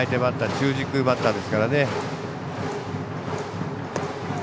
中軸バッターですから。